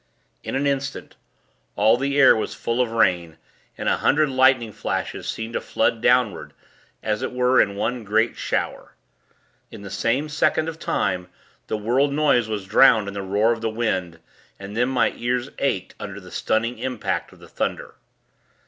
In an instant, all the air was full of rain, and a hundred lightning flashes seemed to flood downward, as it were in one great shower. In the same second of time, the world noise was drowned in the roar of the wind, and then my ears ached, under the stunning impact of the thunder.